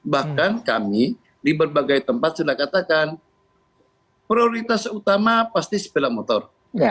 bahkan kami di berbagai tempat sudah katakan prioritas utama pasti sepeda motor